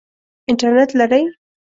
انټرنټ لرئ؟